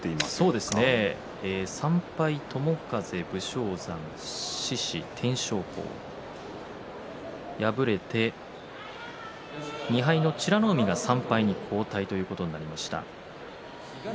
そうですね３敗、友風、武将山、獅司大翔鵬、敗れて２敗の美ノ海が３敗に後退ということになりました。